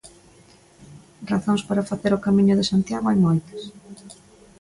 Razóns para facer o Camiño de Santiago hai moitas.